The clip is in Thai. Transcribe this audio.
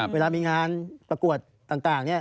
เวลามีงานประกวดต่าง